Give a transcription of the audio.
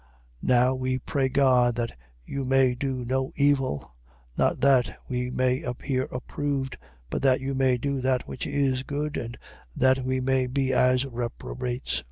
13:7. Now we pray God that you may do no evil, not that we may appear approved, but that you may do that which is good and that we may be as reprobates.